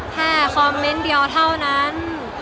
แค่คอมเมนต์เดียวเท่านั้น